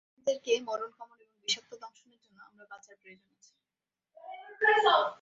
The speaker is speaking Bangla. মুসলমানদেরকে মরণ কামড় এবং বিষাক্ত দংশনের জন্য আমার বাঁচার প্রয়োজন আছে।